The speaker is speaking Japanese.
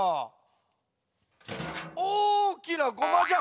おおきなごまじゃ。